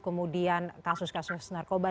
kemudian kasus kasus narkoba